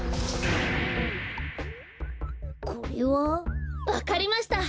これは？わかりました。